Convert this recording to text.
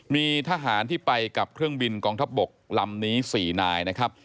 มีทหารที่ไปกับเครื่องบินกองทัพบกลำนี้๔นายนะครับ